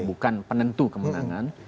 bukan penentu kemenangan